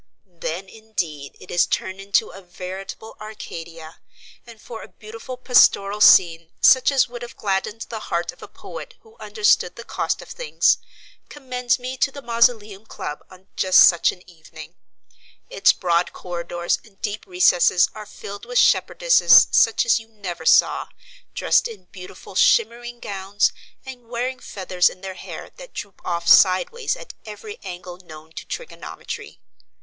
Then, indeed, it is turned into a veritable Arcadia; and for a beautiful pastoral scene, such as would have gladdened the heart of a poet who understood the cost of things, commend me to the Mausoleum Club on just such an evening. Its broad corridors and deep recesses are filled with shepherdesses such as you never saw, dressed in beautiful shimmering gowns, and wearing feathers in their hair that droop off sideways at every angle known to trigonometry.